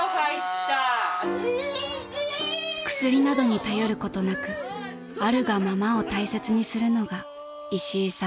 ［薬などに頼ることなくあるがままを大切にするのがいしいさん家のやり方］